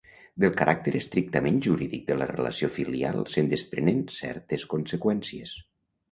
Del caràcter estrictament jurídic de la relació filial se'n desprenen certes conseqüències.